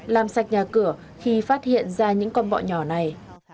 làm sạch nhà cửa khi phát hiện ra những con bọ nhỏ này